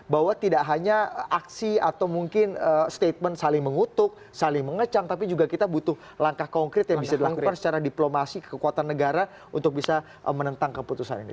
bahwa tidak hanya aksi atau mungkin statement saling mengutuk saling mengecang tapi juga kita butuh langkah konkret yang bisa dilakukan secara diplomasi kekuatan negara untuk bisa menentang keputusan ini